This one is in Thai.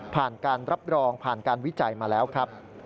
การรับรองผ่านการวิจัยมาแล้วครับ